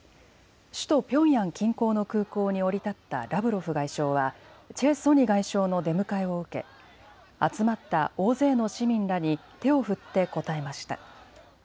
首都ピョンヤン近郊の空港に降り立ったラブロフ外相はチェ・ソニ外相の出迎えを受け集まった大勢の市民らに手を振って応えました。